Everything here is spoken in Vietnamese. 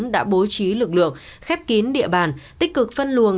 đã bố trí lực lượng khép kín địa bàn tích cực phân luồng